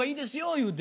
言うて。